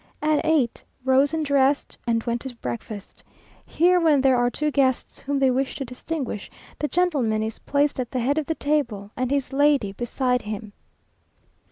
At eight, rose and dressed, and went to breakfast. Here, when there are two guests whom they wish to distinguish, the gentleman is placed at the head of the table, and his lady beside him.